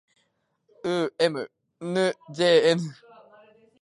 う ｍ ぬ ｊｎ